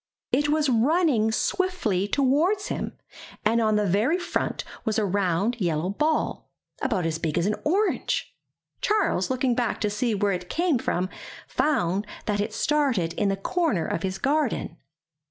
It was running swiftly toward him, and on the very front was a round yellow ball, about as big as an orange! Charles, looking back to see where it came from, found that it started in the corner of his garden.